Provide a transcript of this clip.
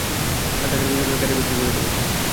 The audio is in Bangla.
আর টাকার প্রয়োজন হলে গাড়ি বিক্রি করে দিবো।